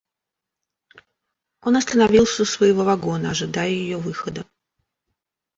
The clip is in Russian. Он остановился у своего вагона, ожидая ее выхода.